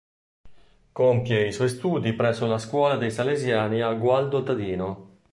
Compie i suoi studi presso la scuola dei Salesiani a Gualdo Tadino.